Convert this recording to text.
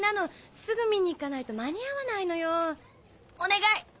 すぐ見に行かないと間に合わないのよお願い！